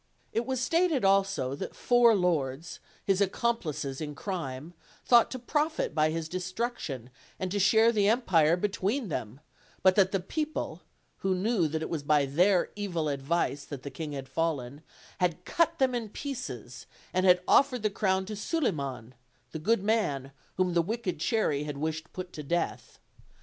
It was stated also that four lords, his ac complices in crime, thought to profit by his destruction and to share the empire between them; but that the peo ple, who knew that it was by their evil advice that the king had fallen, had cut them in pieces, and had offered the crown to Suliman, the good man whom the wicked Cherry had wished to put to death.